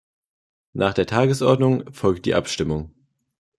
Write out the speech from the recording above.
Nach der Tagesordnung folgt die Abstimmung.